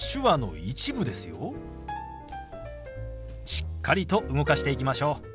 しっかりと動かしていきましょう。